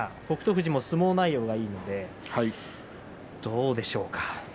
富士も相撲内容がいいのでどうでしょうか。